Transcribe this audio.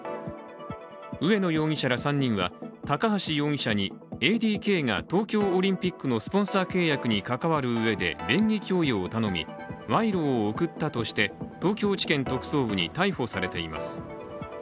植野容疑者ら３人は高橋容疑者にＡＤＫが東京オリンピックのスポンサー契約に関わるうえで便宜供与を頼み、賄賂を贈ったとして東京地検特捜部に逮捕されています。